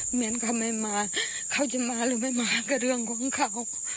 เหมือนเขาไม่มาเขาจะมาหรือไม่มาก็เรื่องของเขา